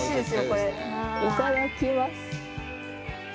これいただきます